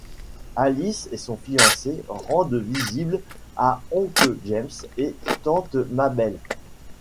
Alice et son fiancé rendent visite à oncle James et tante Mabel.